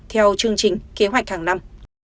theo chương trình kế hoạch hàng năm